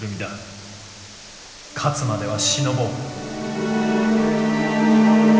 勝つ迄は忍ぼう」。